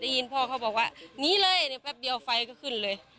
ได้ยินพ่อเขาบอกว่าหนีเลยแป๊บเดียวไฟก็ขึ้นเลย